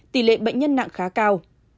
tỷ lệ bệnh nhân nặng khá cao